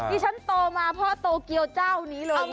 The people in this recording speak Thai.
ดิฉันโตมาเพราะโตเกียวเจ้านี้เลยคุณผู้ชม